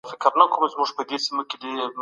کي موجوده ده، پکښي وایي، چي پښتانه